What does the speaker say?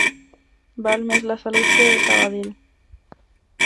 Val més la Salut que Sabadell.